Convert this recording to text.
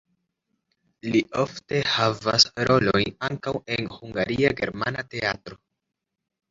Li ofte havas rolojn ankaŭ en Hungaria Germana Teatro.